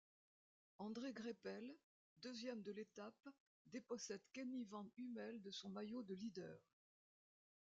André Greipel, deuxième de l'étape dépossède Kenny van Hummel de son maillot de leader.